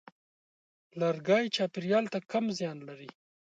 لرګی چاپېریال ته کم زیان لري.